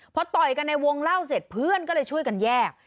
พอต่อยกันในวงเล่าเสร็จเพื่อนก็เลยช่วยกันแยก